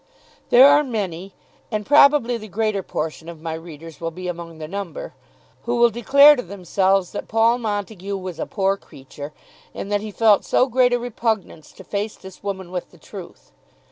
There are many, and probably the greater portion of my readers will be among the number, who will declare to themselves that Paul Montague was a poor creature, in that he felt so great a repugnance to face this woman with the truth.